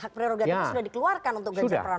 hak prerogatifnya sudah dikeluarkan untuk ganjar pranowo